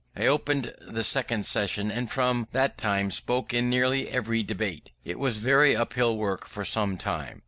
I opened the second question, and from that time spoke in nearly every debate. It was very uphill work for some time.